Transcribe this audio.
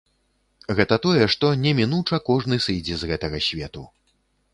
Гэта тое, што немінуча кожны сыдзе з гэтага свету.